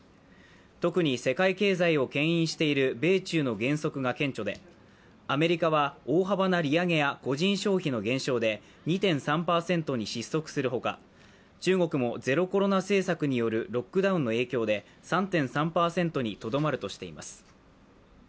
特に世界経済をけん引している米中の減速が顕著でアメリカは大幅な利上げや個人消費の減少で２．３％に失速するほか中国もゼロコロナ政策によるロックダウンの影響で３．３％にとどまるとしています。